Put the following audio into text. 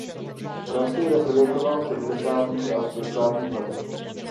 Francii reprezentoval v sedmdesátých a osmdesátých letech.